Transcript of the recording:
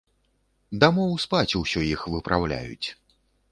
Дамоў спаць усё іх выпраўляюць.